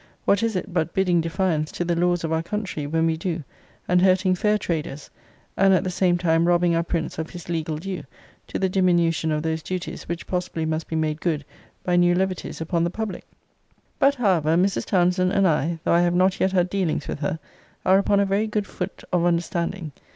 What is it, but bidding defiance to the laws of our country, when we do, and hurting fair traders; and at the same time robbing our prince of his legal due, to the diminution of those duties which possibly must be made good by new levities upon the public? But, however, Mrs. Townsend and I, though I have not yet had dealings with her, are upon a very good foot of understanding.